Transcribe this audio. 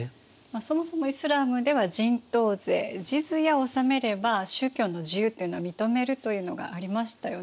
そもそもイスラームでは人頭税ジズヤを納めれば宗教の自由というのは認めるというのがありましたよね。